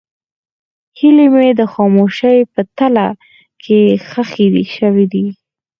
هیلې مې د خاموشۍ په تله کې ښخې شوې.